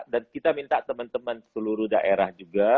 dan kita minta teman teman seluruh daerah juga